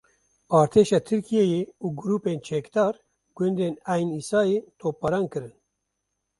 Artêşa Tirkiyeyê û grûpên çekdar gundên Eyn Îsayê topbaran kirin.